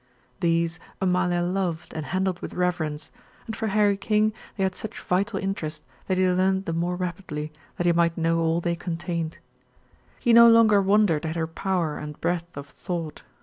These Amalia loved and handled with reverence, and for Harry King they had such vital interest that he learned the more rapidly that he might know all they contained. He no longer wondered at her power and breadth of thought.